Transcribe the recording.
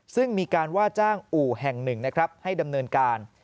ซึ่งมีการว่าจ้างอู่แห่งหนึ่งนะครับให้ดำเนินการ